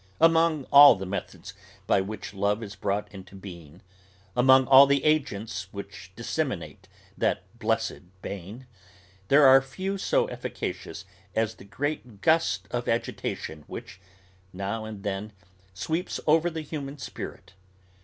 Among all the methods by which love is brought into being, among all the agents which disseminate that blessed bane, there are few so efficacious as the great gust of agitation which, now and then, sweeps over the human spirit.